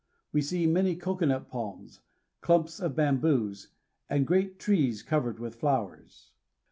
We see many cocoanut palms, clumps of bamboos, and great trees covered with flowers.